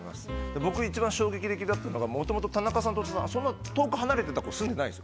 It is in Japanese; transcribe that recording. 僕、一番衝撃的だったのが、もともと田中さんと太田さん、遠く離れてたことないんです。